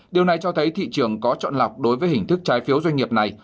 điều này cho thấy thị trường có chọn lọc đối với hình thức trái phiếu doanh nghiệp này